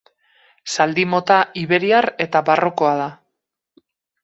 Zaldi mota iberiar eta barrokoa da.